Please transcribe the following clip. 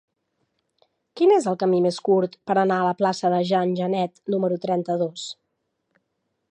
Quin és el camí més curt per anar a la plaça de Jean Genet número trenta-dos?